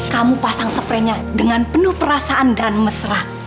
kamu pasang spray nya dengan penuh perasaan dan mesra